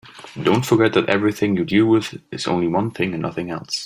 Don't forget that everything you deal with is only one thing and nothing else.